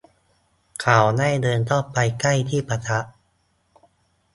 เขาได้เดินเข้าไปใกล้ที่ประทับ